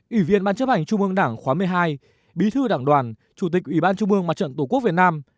ủy viên bán chấp hành trung bướng đảng khóa một mươi hai bí thư đảng đoàn chủ tịch ủy ban trung bướng mặt trận tổ quốc việt nam